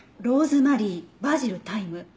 ローズマリーバジルタイム。